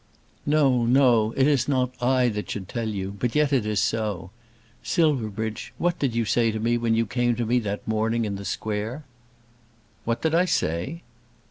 "No; no. It is not I that should tell you. But yet it is so. Silverbridge, what did you say to me when you came to me that morning in the Square?" "What did I say?"